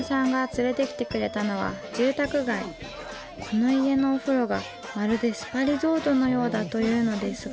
この家のお風呂がまるでスパリゾートのようだというのですが。